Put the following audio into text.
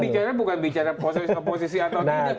bicara bukan bicara posisi oposisi atau tidak